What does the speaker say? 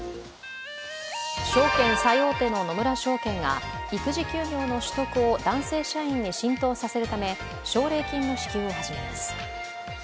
証券最大手の野村證券が育児休業の取得を男性社員に浸透させるため、奨励金の支給を始めます。